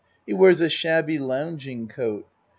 He wears a shabby lounging coat.